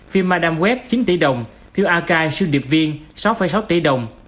phim madame web chín tỷ đồng phim akai sưu điệp viên sáu sáu tỷ đồng